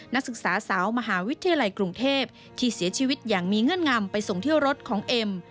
นักศึกษาสาวมหาวิทยาลัยกรุงเทพที่เสียชีวิตอย่างมีเงื่อนงำไปส่งเที่ยวรถของเอ็ม